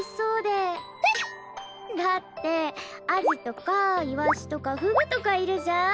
だってアジとかイワシとかフグとかいるじゃん。